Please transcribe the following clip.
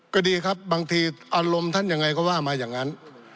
ก็ดีครับบางทีอารมณ์ท่านยังไงก็ว่ามาอย่างนั้น